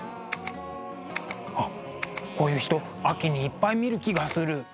あっこういう人秋にいっぱい見る気がする。